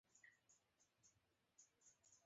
এত মানুষকে দিয়ে তার ভার বহন করাবে!